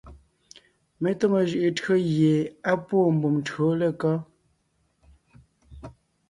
Mé tóŋo jʉʼʉ tÿǒ gie á pwóon mbùm tÿǒ lekɔ́?